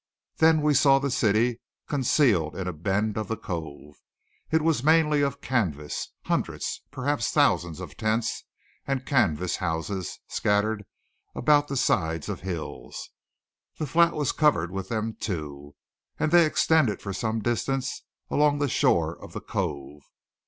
Then we saw the city concealed in a bend of the cove. It was mainly of canvas; hundreds, perhaps thousands of tents and canvas houses scattered about the sides of hills. The flat was covered with them, too, and they extended for some distance along the shore of the cove.